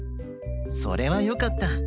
それはよかった。